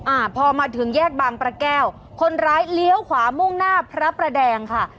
อ่าพอมาถึงแยกบางประแก้วคนร้ายเลี้ยวขวามุ่งหน้าพระประแดงค่ะ